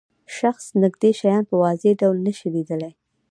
شخص نږدې شیان په واضح ډول نشي لیدلای.